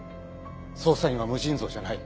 捜査員は無尽蔵じゃない。